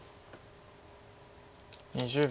２０秒。